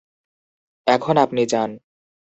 এখন আপনি যান।